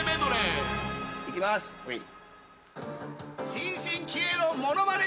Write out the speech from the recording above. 新進気鋭のモノマネ